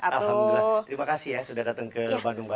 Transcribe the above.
alhamdulillah terima kasih ya sudah datang ke bandung pak